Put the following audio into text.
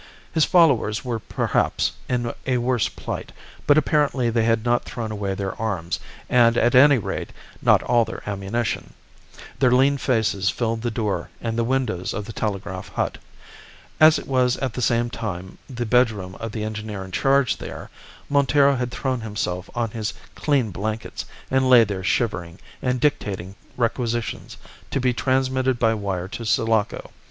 His followers were perhaps in a worse plight, but apparently they had not thrown away their arms, and, at any rate, not all their ammunition. Their lean faces filled the door and the windows of the telegraph hut. As it was at the same time the bedroom of the engineer in charge there, Montero had thrown himself on his clean blankets and lay there shivering and dictating requisitions to be transmitted by wire to Sulaco.